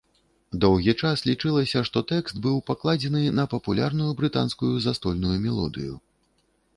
Доўгі час лічылася, што тэкст быў пакладзены на папулярную брытанскую застольную мелодыю.